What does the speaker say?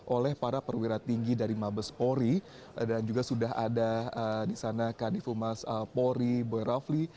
oleh para perwira tinggi dari mabes polri dan juga sudah ada di sana kandifumas polri boy rafli